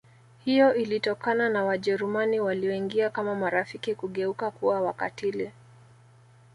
Hiyo ilitokana na Wajerumani walioingia kama marafiki kugeuka kuwa wakatiili